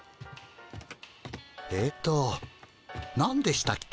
えっとなんでしたっけ？